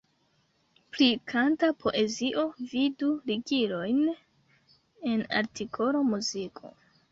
Pri kanta poezio, vidu ligilojn en artikolo "Muziko".